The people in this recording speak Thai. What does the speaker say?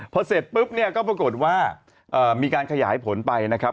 พอเสร็จปุ๊บเนี่ยก็ปรากฏว่ามีการขยายผลไปนะครับ